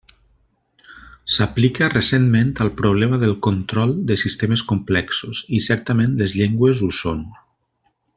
S'aplica recentment al problema del control de sistemes complexos, i certament les llengües ho són.